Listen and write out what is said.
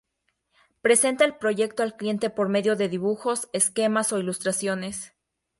Presenta el proyecto al cliente por medio de dibujos, esquemas o ilustraciones.